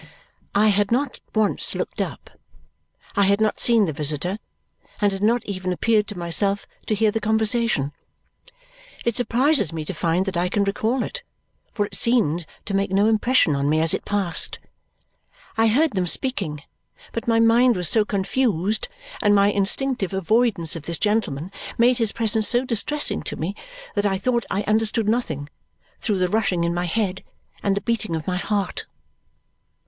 I had not once looked up. I had not seen the visitor and had not even appeared to myself to hear the conversation. It surprises me to find that I can recall it, for it seemed to make no impression on me as it passed. I heard them speaking, but my mind was so confused and my instinctive avoidance of this gentleman made his presence so distressing to me that I thought I understood nothing, through the rushing in my head and the beating of my heart.